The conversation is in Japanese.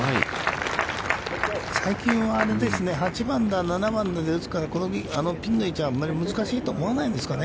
最近はあれですね、８番、７番で打つから、ピンの位置はあんまり難しいと思わないんですかね。